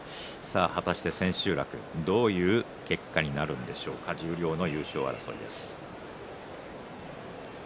果たして千秋楽どういう結果になるんでしょうか十両の優勝争いです。